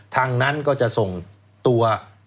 ทางนั้นก็จะส่งตัว